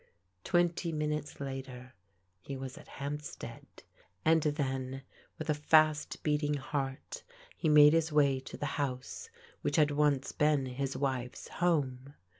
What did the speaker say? Twenty minutes later he was at Hampstead, and then, with a fast beating heart, he made his way to the house which had once been his wife's home.